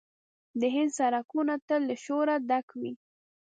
د هند سړکونه تل له شوره ډک وي.